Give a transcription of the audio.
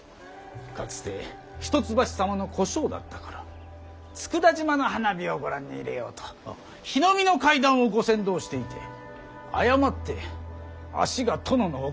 かつて一橋様の小姓だった頃佃島の花火をご覧に入れようと火の見の階段をご先導していて誤って足が殿のお顔に当たってしまい。